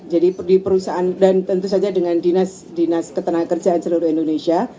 jadi di perusahaan dan tentu saja dengan dinas dinas ketenangan kerja seluruh indonesia